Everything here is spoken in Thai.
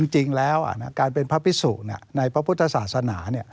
จริงแล้วการเป็นพระพิสุในพระพุทธศาสนา